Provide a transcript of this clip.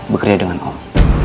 berkira dengan om